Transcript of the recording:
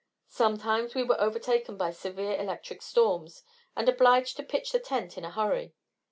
Sometimes, we were overtaken by severe electric storms, and obliged to pitch the tent in a hurry.